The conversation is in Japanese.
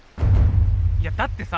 いやだってさ